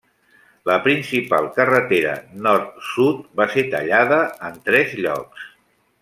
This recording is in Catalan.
La principal carretera nord-sud va ser tallada en tres llocs.